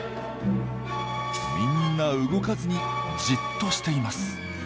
みんな動かずにじっとしています。